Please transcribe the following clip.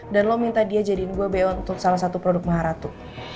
dan lo minta dia jadiin gue beon untuk salah satu produk maharatu